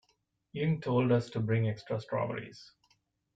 Ying told us to bring extra strawberries.